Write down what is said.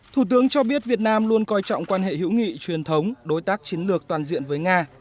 thủ tướng cho biết việt nam luôn coi trọng quan hệ hữu nghị truyền thống đối tác chiến lược toàn diện với nga